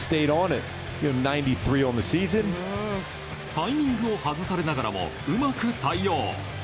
タイミングを外されながらもうまく対応。